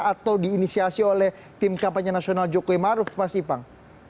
atau diinisiasi oleh tim kampanye nasional jokowi maruf mas ipang